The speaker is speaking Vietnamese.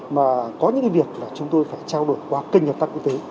mà có những cái việc là chúng tôi phải trao đổi qua kênh hợp tác quốc tế